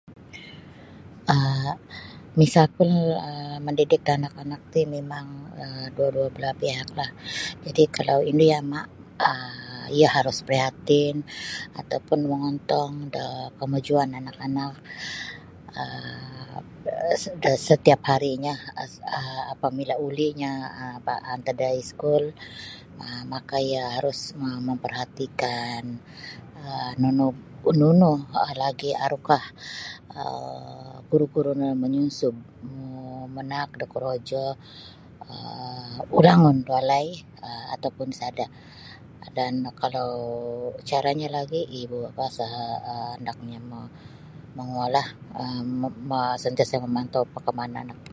um misapul um mandidik da anak-anak ti mimang um duo-dou belah pihaklah jadi kalau indu yama um iyo harus prihatin atau pun mongontong da kemajuan anak-anak um da setiap harinyo um apabila ulinyo um antad da iskul ma maka iyo harus ma memperhatikan um nunu nunu um lagi arukah um guru-guru no manyunsub um manaak do korojo um ulangun da walai um atau pun sada' dan kalau caranyo lagi ibu bapa seha um hendaknyo mo monguolah um sentiasa memantau perkembangan anak.